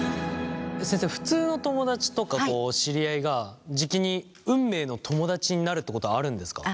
先生普通の友だちとか知り合いがじきに運命の友だちになるってことはあるんですか？